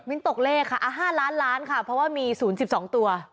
ตกเลขค่ะ๕ล้านล้านค่ะเพราะว่ามี๐๑๒ตัว